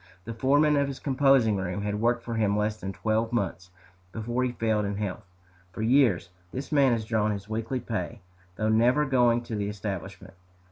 The foreman of his composing room had worked for him less than twelve months before he failed in health. For years this man has drawn his weekly pay, though never going to the establishment.